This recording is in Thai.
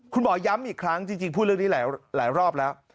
คุณหมอย้ำอีกครั้งจริงพูดเรื่องนี้หลายรอบแล้ว